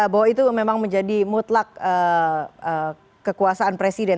bahwa itu memang menjadi mutlak kekuasaan presiden